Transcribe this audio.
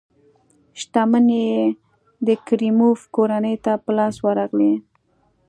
شتمنۍ یې د کریموف کورنۍ ته په لاس ورغلې.